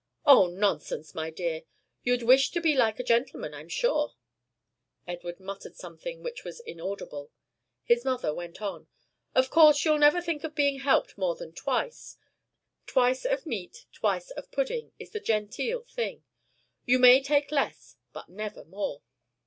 "Oh, nonsense! my dear. You'd wish to be like a gentleman, I'm sure." Edward muttered something which was inaudible. His mother went on: Of course you'll never think of being helped more than twice. Twice of meat, twice of pudding, is the genteel thing. You may take less, but never more."